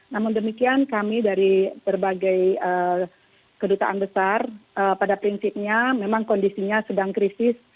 namun demikian kami dari berbagai kedutaan besar pada prinsipnya memang kondisinya sedang krisis